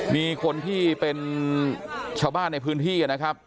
มีคนที่เป็นชาวบ้านในพื้นที่นะครับ